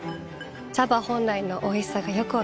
茶葉本来のおいしさがよく分かります。